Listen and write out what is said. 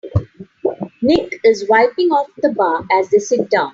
Nick is wiping off the bar as they sit down.